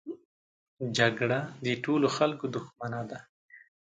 جګړه د ټولو خلکو دښمنه ده